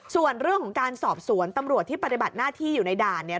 ส่วนเรื่องของการสอบสวนตำรวจที่ปฏิบัติหน้าที่อยู่ในด่านเนี่ย